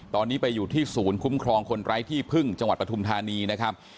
ตอนนี้ไปอยู่ที่ศูนย์คุ้มครองคนไร้ที่พึ่งจังหวัดปฐุมธานีนะครับ